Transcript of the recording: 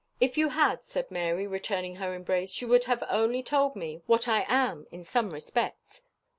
"If you had," said Mary, returning her embrace, "you would only have told me what I am in some respects.